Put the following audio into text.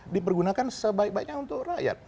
dipergunakan sebaik baiknya untuk rakyat